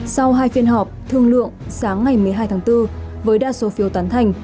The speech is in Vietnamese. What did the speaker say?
sau hai phiên họp thương lượng sáng ngày một mươi hai tháng bốn với đa số phiêu toán thành